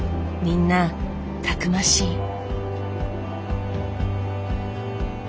みんなたくましい。